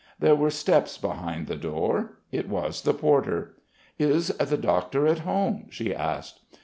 There were steps behind the door. It was the porter. "Is the doctor at home?" she asked.